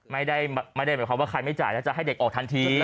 ไม่ได้หมายความว่าใครไม่จ่ายแล้วจะให้เด็กออกทันที